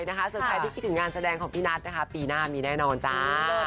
ส่วนใครที่คิดถึงงานแสดงของพี่นัทนะคะปีหน้ามีแน่นอนจ้า